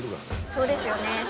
そうですよね。